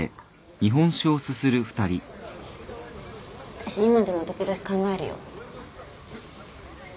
私今でも時々考えるよ。